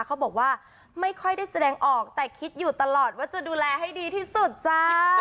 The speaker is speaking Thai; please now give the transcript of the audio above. เขาบอกว่าไม่ค่อยได้แสดงออกแต่คิดอยู่ตลอดว่าจะดูแลให้ดีที่สุดจ้า